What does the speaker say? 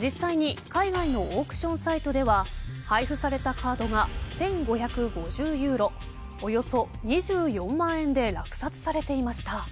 実際に、海外のオークションサイトでは配布されたカードが１５５０ユーロおよそ２４万円で落札されていました。